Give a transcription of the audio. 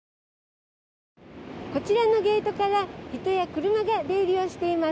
こちらのゲートから人や車が出入りをしています。